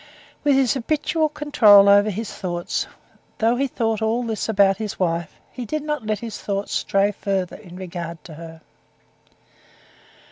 With his habitual control over his thoughts, though he thought all this about his wife, he did not let his thoughts stray further in regard to her.